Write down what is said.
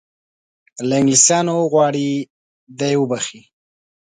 له انګلیسیانو وغواړي دی وبخښي.